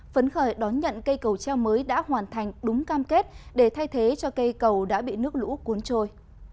phấn khởi đón nhận cây cầu treo mới đã hoàn thành đúng cam kết để thay thế cho cây cầu đã bị nước lũ cuốn trôi